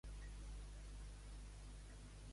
Lecce va aconseguir lluitar fins a l'últim partit.